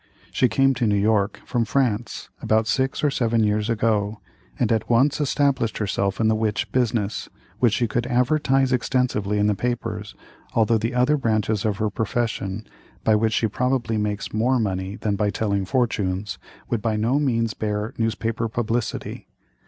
She came to New York, from France, about six or seven years ago, and at once established herself in the witch business, which she could advertise extensively in the papers, although the other branches of her profession, by which she probably makes more money than by telling fortunes, would by no means bear newspaper publicity.